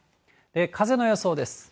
風の予想です。